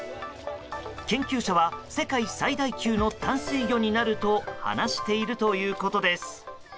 研究者は世界最大級の淡水魚になると話しているということです。